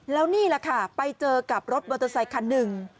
แล้วนี่แหละค่ะไปเจอกับรถมอเตอร์ไซคันหนึ่ง